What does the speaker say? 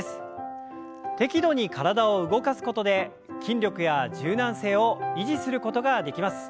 適度に体を動かすことで筋力や柔軟性を維持することができます。